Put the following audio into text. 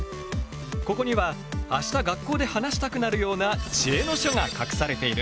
ここには明日学校で話したくなるような知恵の書が隠されている。